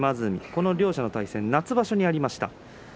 この両者の対戦、夏場所にありました。